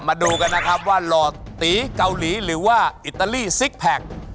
มาดูกันนะครับว่าหล่อตีเกาหลีหรือว่าอิตาลีซิกแพค